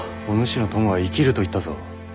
お主の友は生きると言ったぞ。